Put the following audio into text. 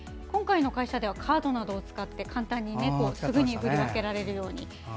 今回の会社ではカードなどを使って簡単に振り分けられるように。